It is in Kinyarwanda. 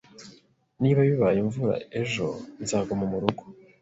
Niba bibaye imvura ejo nzaguma murugo